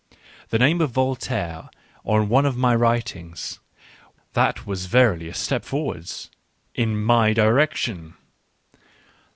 The name of Voltaire on one of my writings — that was verily a step forward — in my direction.